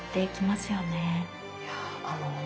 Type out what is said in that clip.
いやあの